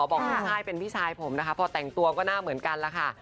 บอกพี่ค่ายเป็นพี่ชายผมนะคะพอแต่งตัวก็หน้าเหมือนกันล่ะค่ะ